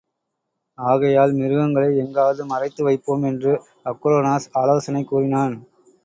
ஆகையால் மிருகங்களை எங்காவது மறைத்து வைப்போம் என்று அக்ரோனோஸ் ஆலோசனை கூறினான்.